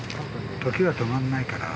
時は止まんないから。